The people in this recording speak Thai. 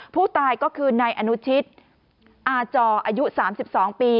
ผู้ตายก็คือนายอนุชิตอาจออายุ๓๒ปี